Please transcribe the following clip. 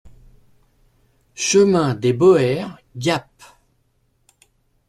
Chemin Dès Boeres, Gap